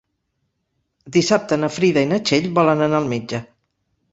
Dissabte na Frida i na Txell volen anar al metge.